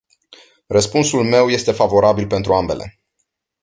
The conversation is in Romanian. Răspunsul meu este favorabil pentru ambele.